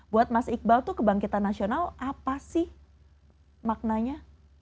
buat mas iqbal tuh kebangkitan nasional apa sih maknanya